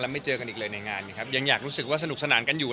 ไม่เจอกันอีกเลยในงานนะครับยังอยากรู้สึกว่าสนุกสนานกันอยู่